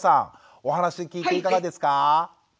お話聞いていかがですか？